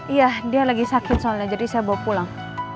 iya dia lagi sakit soalnya jadi saya bawa pulang